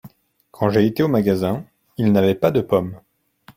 Quand j'ai été au magasin, ils n'avaient pas de pommes.